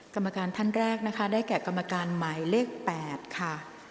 กรรมการท่านแรกนะคะได้แก่กรรมการหมายเลข๘ค่ะ